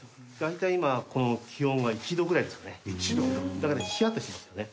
だからヒヤッとしてますよね。